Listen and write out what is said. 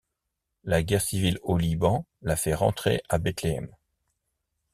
La guerre civile au Liban la fait rentrer à Bethléem.